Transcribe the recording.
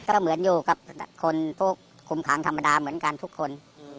ก็เหมือนอยู่กับคนพวกคุมขังธรรมดาเหมือนกันทุกคน